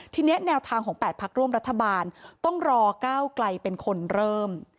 ทีนี้แนวทางของ๘พักร่วมรัฐบาลต้องรอก้าวไกลเป็นคนเริ่ม